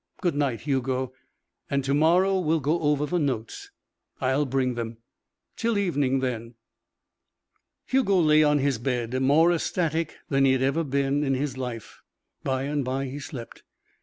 "Good night, Hugo. And to morrow we'll go over the notes." "I'll bring them." "Till evening, then." Hugo lay on his bed, more ecstatic than he had ever been in his life. By and by he slept.